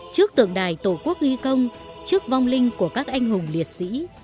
trước tượng đài tổ quốc ghi công trước vong linh của các anh hùng liệt sĩ